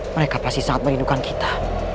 mereka pasti sangat merindukan kita